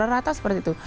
rata seperti itu